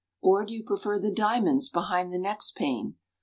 Or do you prefer the diamonds behind the next pane?